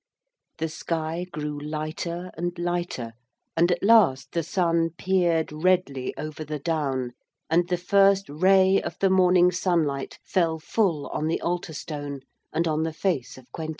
'] The sky grew lighter and lighter, and at last the sun peered redly over the down, and the first ray of the morning sunlight fell full on the altar stone and on the face of Quentin.